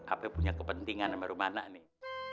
apa yang punya kepentingan sama rumah anak nih